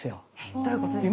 どういうことですか？